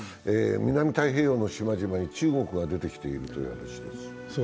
南太平洋の島々に中国が出てきているという話です。